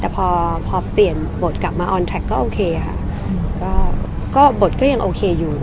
แต่พอพอเปลี่ยนบทกลับมาออนแท็กก็โอเคค่ะก็บทก็ยังโอเคอยู่